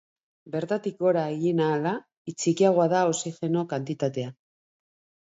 Bertatik gora egin ahala txikiagoa da oxigeno kantitatea.